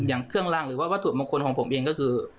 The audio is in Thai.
อย่างเครื่องล่างหรือว่าวัตถุมงคลของผมเองก็คือ